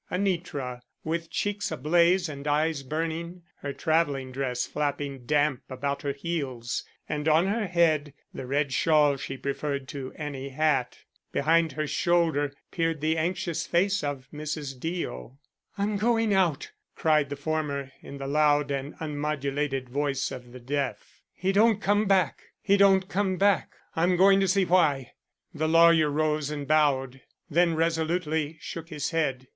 Anitra, with cheeks ablaze and eyes burning, her traveling dress flapping damp about her heels, and on her head the red shawl she preferred to any hat. Behind her shoulder peered the anxious face of Mrs. Deo. "I'm going out," cried the former in the loud and unmodulated voice of the deaf. "He don't come back! he don't come back! I'm going to see why." The lawyer rose and bowed; then resolutely shook his head.